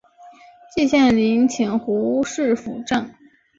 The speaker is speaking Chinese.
季羡林请胡适斧正。